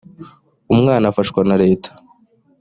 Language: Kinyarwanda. umwana afashwa na leta